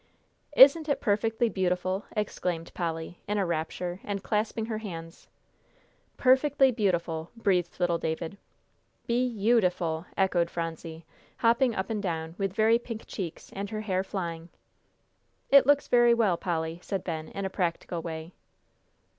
"Isn't it perfectly beautiful!" exclaimed Polly, in a rapture, and clasping her hands. "Perfectly beautiful!" breathed little David. "Be yew ful!" echoed Phronsie, hopping up and down with very pink cheeks, and her hair flying. "It looks very well, Polly," said Ben, in a practical way.